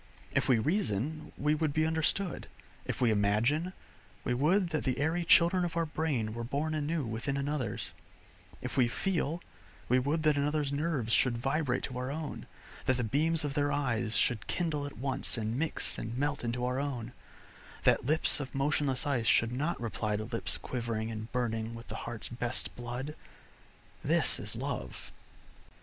If we reason, we would be understood; if we imagine, we would that the airy children of our brain were born anew within another's; if we feel, we would that another's nerves should vibrate to our own, that the beams of their eyes should kindle at once and mix and melt into our own, that lips of motionless ice should not reply to lips quivering and burning with the heart's best blood. This is Love.